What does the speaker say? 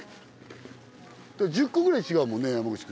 １０個ぐらい違うもんね山口くんと。